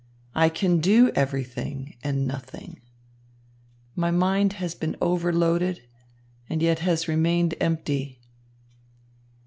I can do everything and nothing. My mind has been over loaded, and yet has remained empty."